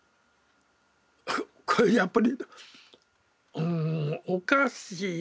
これやっぱりうんおかしい